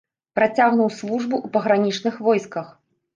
Працягнуў службу ў пагранічных войсках.